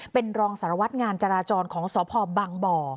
เป็นรองสารวัตรงานจราจรของสพบังบ่อ